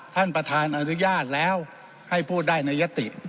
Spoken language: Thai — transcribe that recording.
ท่านประธานอนุญาตแล้วให้พูดได้ในยติ